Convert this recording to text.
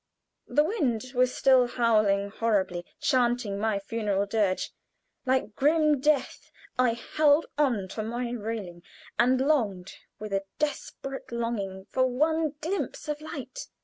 The wind was still howling horribly chanting my funeral dirge. Like grim death, I held on to my railing, and longed, with a desperate longing, for one glimpse of light.